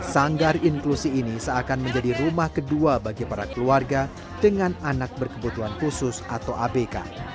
sanggar inklusi ini seakan menjadi rumah kedua bagi para keluarga dengan anak berkebutuhan khusus atau abk